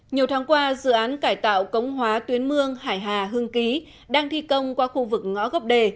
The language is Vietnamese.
nhiều tháng qua dự án cải tạo cống hóa tuyến mương hải hà hưng ký đang thi công qua khu vực ngõ góc đề